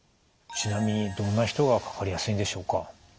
ちなみにどんな人がかかりやすいんでしょうか？